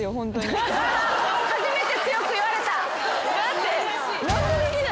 初めて強く言われた。だって。